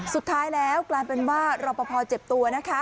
สุดท้ายแล้วกลายเป็นว่ารอปภเจ็บตัวนะคะ